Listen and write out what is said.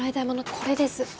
これです